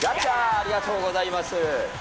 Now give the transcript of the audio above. ありがとうございます。